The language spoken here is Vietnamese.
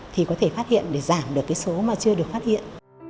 thì có thể phát hiện để giảm được cái số mà chưa được phát hiện